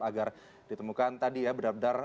agar ditemukan tadi ya benar benar